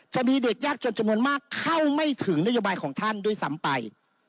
จะมีเด็กยากจนจำนวนมากเข้าไม่ถึงนโยบายของท่านด้วยซ้ำไป